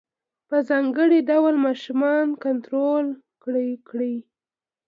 په ځانګړي ډول ماشومان کنترول کړي.